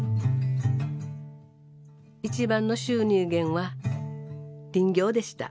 一番の収入源は林業でした。